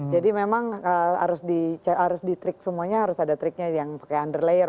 jadi memang harus di trick semuanya harus ada tricknya yang pakai under layer